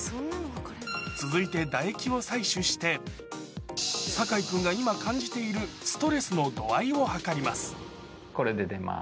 続いて唾液を採取して、酒井君が今感じているストレスの度合いを測ります。